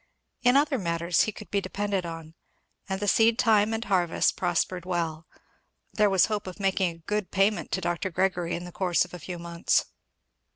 In other matters he could be depended on, and the seed time and harvest prospered well. There was hope of making a good payment to Dr. Gregory in the course of a few months.